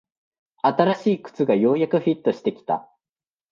新しい靴がようやくフィットしてきた